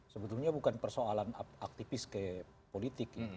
sebetulnya bukan persoalan aktivis ke politik